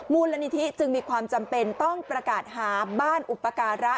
มูลนิธิจึงมีความจำเป็นต้องประกาศหาบ้านอุปการะ